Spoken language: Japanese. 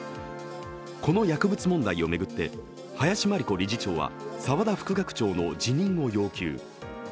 この薬物問題を巡って林真理子理事長は澤田副学長の辞任を要求。